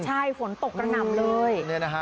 ใช่ฝนตกกระหน่ำเลย